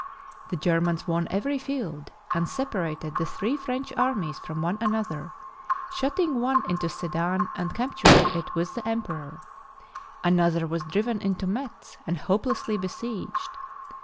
The Germans won every field, and separated the three French armies from one another, shutting one into Sedan and capturing it with the emperor; another was driven into Metz and hopelessly besieged.